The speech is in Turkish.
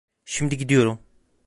Şimdi gidiyorum.